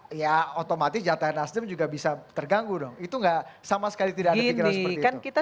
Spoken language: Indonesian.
hai yang otomatis jatah nasdem juga bisa terganggu dong itu gak sama sekali tidak disediakan kita